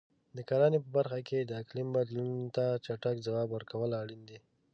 د کرنې په برخه کې د اقلیم بدلونونو ته چټک ځواب ورکول اړین دي.